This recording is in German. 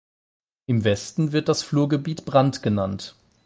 Im Westen wird das Flurgebiet Brand genannt.